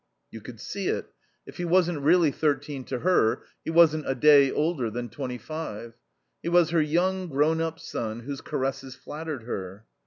You could see it. If he wasn't really thirteen to her he wasn't a day older than twenty five; he was her young grown up son whose caresses flattered her.